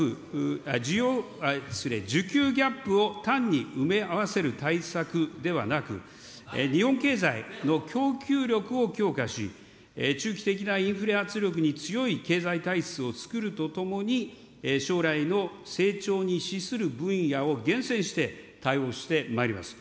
需給ギャップを単に埋め合わせる対策ではなく、日本経済の供給力を強化し、中期的なインフレ圧力に強い経済体質を作るとともに、将来の成長に資する分野を厳選して対応してまいります。